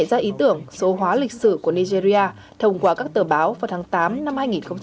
loan đã nảy ra ý tưởng số hóa lịch sử của nigeria thông qua các tờ báo vào tháng tám năm hai nghìn một mươi chín